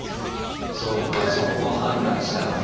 そうかそこを判断したのか。